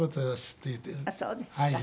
あっそうですか。